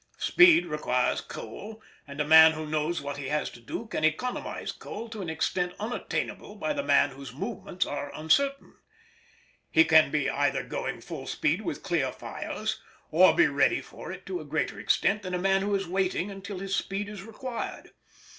Speed requires coal, and a man who knows what he has to do can economise coal to an extent unattainable by the man whose movements are uncertain. He can be either going full speed with clear fires, or be ready for it to a greater extent than a man who is waiting until his speed is required.